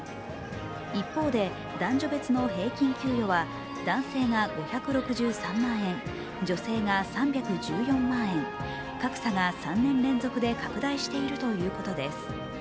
一方で、男女別の平均給与は男性が５６３万円、女性が３１４万円、格差が３年連続で拡大しているということです。